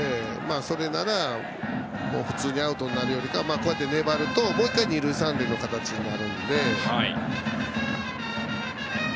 それなら普通にアウトになるより粘ると、もう１回二塁三塁の形になるので。